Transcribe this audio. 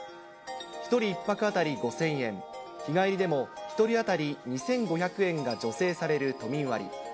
１人１泊当たり５０００円、日帰りでも１人当たり２５００円が助成される都民割。